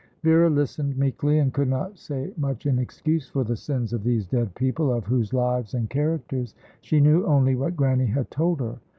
Vera listened meekly, and could not say much in excuse for the sins of these dead people, of whose lives and characters she knew only what Grannie had told her.